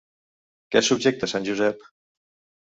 Què subjecta Sant Josep?